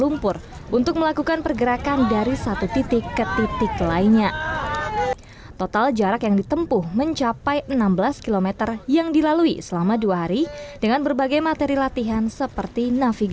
melawan rasa malas adalah kunci